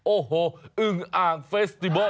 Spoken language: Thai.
โอ้โหอึ๋งอางเฟสติบล